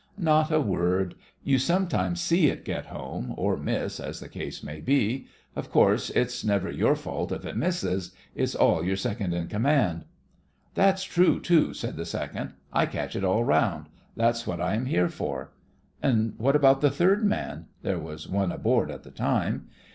"Not a word. You sometimes see it get home, or miss, as the case may be. Of course, it's never your fault if it misses. It's all your second in command. " "That's true, too," said the second. "I catch it all round. That's what I am here for." "And what about the third man?" There was one aboard at the time.